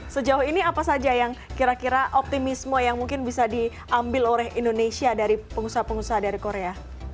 sejauh ini apa saja yang kira kira optimisme yang mungkin bisa diambil oleh indonesia dari pengusaha pengusaha dari korea